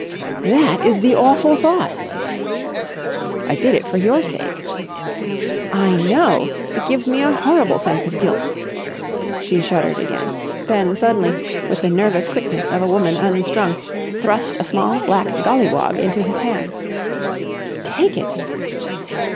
"That is the awful thought." "I did it for your sake." "I know. It gives me a horrible sense of guilt." She shuddered again. Then suddenly, with the nervous quickness of a woman unstrung, thrust a small black golliwog into his hand. "Take it!"